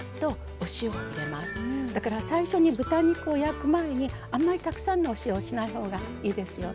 だから最初に豚肉を焼く前にあんまりたくさんのお塩をしない方がいいですよね。